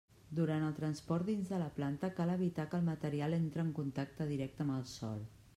Durant el transport dins de la planta cal evitar que el material entre en contacte directe amb el sòl.